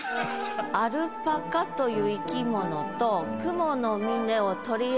「アルパカ」という生き物と「雲の峰」を。